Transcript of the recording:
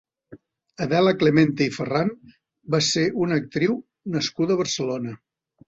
Adela Clemente i Ferran va ser una actriu nascuda a Barcelona.